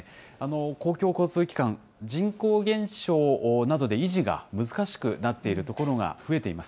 公共交通機関、人口減少などで維持が難しくなっている所が増えています。